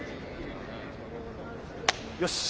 よし！